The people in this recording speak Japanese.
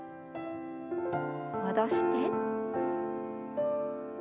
戻して。